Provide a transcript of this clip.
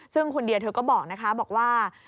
ซึ่งคุณเดียเธอก็บอกนะคะบอกว่า